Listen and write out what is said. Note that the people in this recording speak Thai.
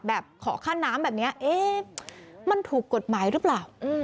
ขอค่าน้ำแบบนี้เอ๊ะมันถูกกฎหมายหรือเปล่า